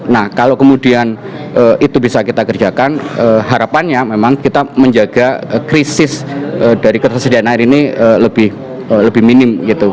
nah kalau kemudian itu bisa kita kerjakan harapannya memang kita menjaga krisis dari ketersediaan air ini lebih minim gitu